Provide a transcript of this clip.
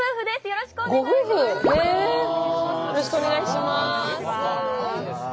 よろしくお願いします。